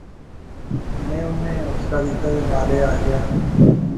میں انیں حوصلہ دتا تہ نالے آخیا